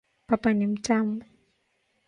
Papa ni mtamu.